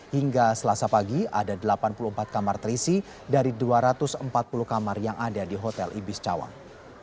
hingga selasa pagi ada delapan puluh empat kamar terisi dari dua ratus empat puluh kamar yang ada di hotel ibis cawang